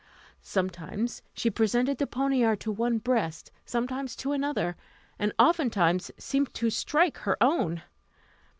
Sometimes she presented the poniard to one breast, sometimes to another, and oftentimes seemed to strike her own.